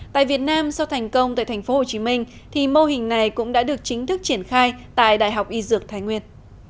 tại việt nam sau thành công tại tp hcm thì mô hình này cũng đã được chính thức triển khai tại đại học y dược thái nguyên